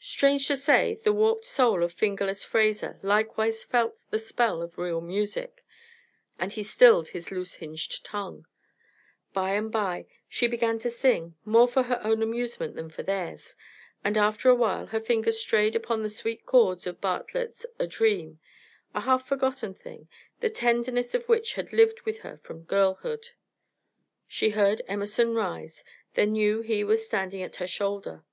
Strange to say, the warped soul of "Fingerless" Fraser likewise felt the spell of real music, and he stilled his loose hinged tongue. By and by she began to sing, more for her own amusement than for theirs, and after awhile her fingers strayed upon the sweet chords of Bartlett's A Dream, a half forgotten thing, the tenderness of which had lived with her from girlhood. She heard Emerson rise, then knew he was standing at her shoulder.